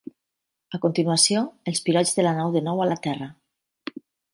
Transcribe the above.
A continuació, els pilots de la nau de nou a la terra.